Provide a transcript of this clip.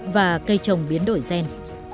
và cây trồng biến đổi gen